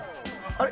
あれ？